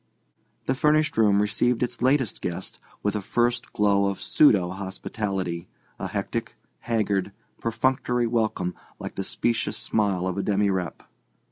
The furnished room received its latest guest with a first glow of pseudo hospitality, a hectic, haggard, perfunctory welcome like the specious smile of a demirep.